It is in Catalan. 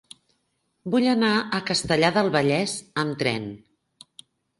Vull anar a Castellar del Vallès amb tren.